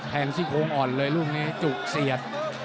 ซี่โครงอ่อนเลยลูกนี้จุกเสียด